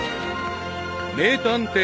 ［名探偵